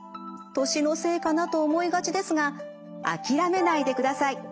年のせいかなと思いがちですが諦めないでください。